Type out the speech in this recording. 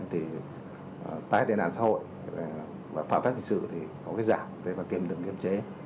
thì tái tài nạn xã hội và phạm pháp hình sự thì có cái giảm thế và kiềm được nghiêm chế